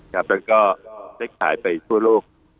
แล้วก็ได้ขายไปทั่วโลก